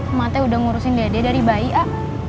emak teh udah ngurusin dede dari bayi a